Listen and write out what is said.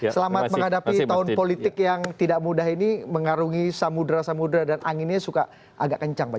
selamat menghadapi tahun politik yang tidak mudah ini mengarungi samudera samudera dan anginnya suka agak kencang pak